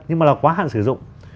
nhưng mà là quá hạn sử dụng